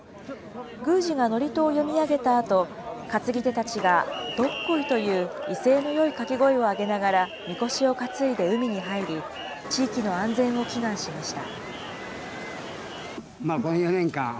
宮司が祝詞を読み上げたあと、担ぎ手たちがどっこいという威勢のよい掛け声をあげながらみこしを担いで海に入り、地域の安全を祈願しました。